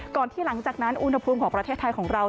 ที่หลังจากนั้นอุณหภูมิของประเทศไทยของเรา